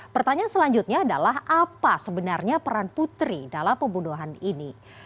pertanyaan selanjutnya adalah apa sebenarnya peran putri dalam pembunuhan ini